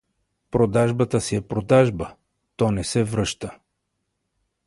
Продажбата си е продажба, то не се връща.